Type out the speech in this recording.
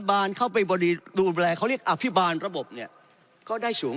บานเข้าไปดูแลเขาเรียกอภิบาลระบบเนี่ยก็ได้สูง